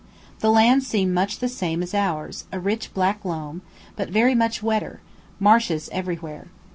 The land seemed much the same as ours, a rich black loam, but very much wetter, marshes everywhere.